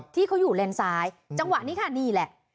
ที่เขาอยู่เลนซ้ายจังหวะนี้ค่ะนี่แหละ